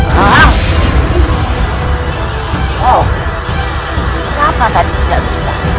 kenapa tadi tidak bisa